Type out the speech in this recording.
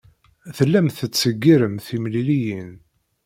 Tellam tettseggirem timliliyin.